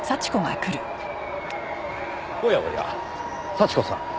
おやおや幸子さん。